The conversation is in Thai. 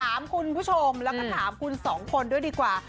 ถามคุณผู้ชมแล้วก็ถามคุณสองคนด้วยดีกว่า